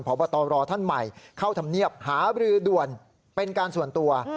พบตรท่านใหม่เข้าธรรมเนียบหาบรือด่วนเป็นการส่วนตัว